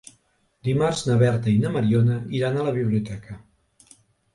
Dimarts na Berta i na Mariona iran a la biblioteca.